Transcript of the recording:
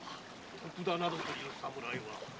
徳田などという侍は。